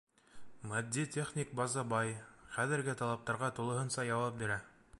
Матди-техник база бай, хәҙерге талаптарға тулыһынса яуап бирә.